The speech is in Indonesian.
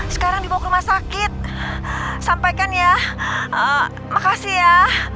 sekarang dibawa ke rumah sakit sampaikan ya makasih ya